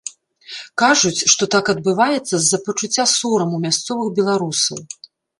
Кажуць, што так адбываецца з-за пачуцця сораму мясцовых беларусаў.